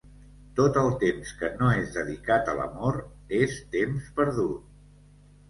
Tot el temps que no és dedicat a l'amor, és temps perdut.